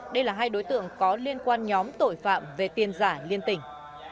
đây là hai đối tượng có liên quan nhóm tội phạm về tiền giả liên tỉnh